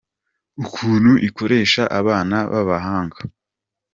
ukuntu ikoresha abana Abahanga.